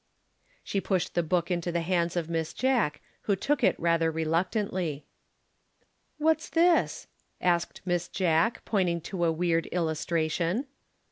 She pushed the book into the hands of Miss Jack, who took it rather reluctantly. "What's this?" asked Miss Jack, pointing to a weird illustration.